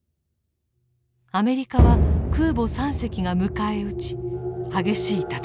アメリカは空母３隻が迎え撃ち激しい戦いとなりました。